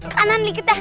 ke kanan dikit dah